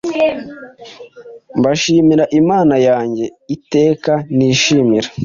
Mbashimira Imana yanjye iteka nishimira